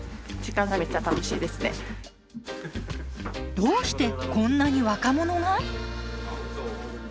どうしてこんなに若者が？